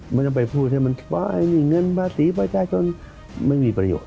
ไม่ต้องไปพูดให้มันคิดว่ามีเงินประสิทธิ์ไปได้จนไม่มีประโยชน์